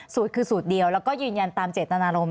สูตรคือสูตรเดียวแล้วก็ยืนยันตามเจตนารมณ์